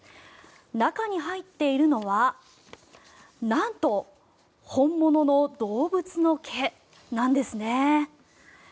中に入っているのは、なんと本物の動物の毛なんですね。